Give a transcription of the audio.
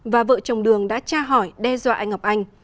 và vợ chồng đường đã tra hỏi đe dọa anh ngọc anh